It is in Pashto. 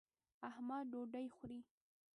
احمد ډوډۍ خوري.